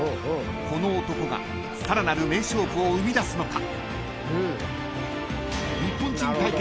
［この男がさらなる名勝負を生み出すのか］